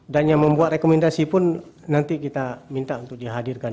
dan yang membuat rekomendasi pun nanti kita minta untuk dihadirkan